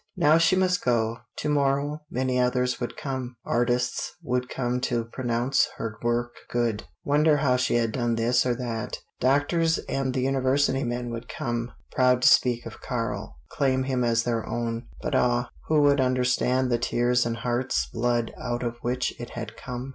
Now she must go. To morrow many others would come. Artists would come to pronounce her work good, wonder how she had done this or that. Doctors and the university men would come, proud to speak of Karl, claim him as their own. But ah who would understand the tears and heart's blood out of which it had come?